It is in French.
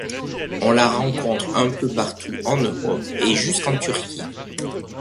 On la rencontre un peu partout en Europe et jusqu'en Turquie.